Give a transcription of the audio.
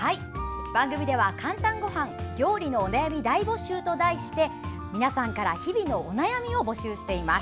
番組では「かんたんごはん」料理のお悩み大募集！と題して皆さんから日々のお悩みを募集しています。